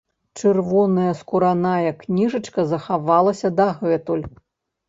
Чырвоная скураная кніжачка захавалася дагэтуль.